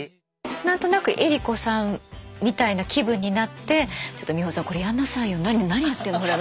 何となく江里子さんみたいな気分になって「ちょっと美穂さんこれやんなさいよ。何やってんのほら。